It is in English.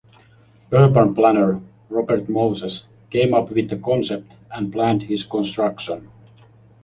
Urban planner Robert Moses came up with the concept and planned its construction.